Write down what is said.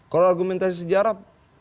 kalau argumentasi sejarah